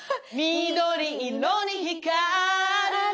「緑色に光る」